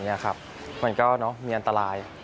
มันก็มีอันตราย